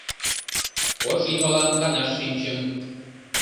Кож йымалан канаш шинчым